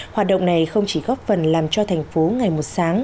hoạt động này không chỉ góp phần làm cho thành phố ngày một sáng